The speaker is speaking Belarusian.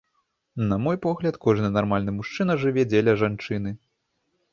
На мой погляд, кожны нармальны мужчына жыве дзеля жанчыны.